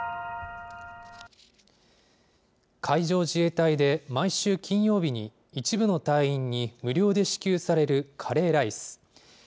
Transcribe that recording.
海上自衛隊で毎週金曜日に、一部の隊員に無料で支給されるカレーライス。